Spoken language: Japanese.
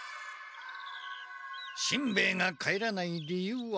しんべヱが帰らない理由は。